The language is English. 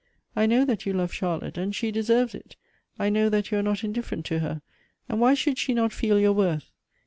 I know th.it you love Charlotte, and she deserves it. I know that you are not indifferent to her, and why should she not feel your worth?